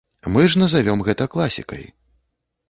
Мы ж назавём гэта класікай.